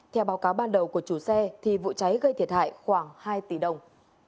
theo báo cáo ban đầu của chủ xe vụ cháy gây thiệt hại khoảng hai tỷ đồng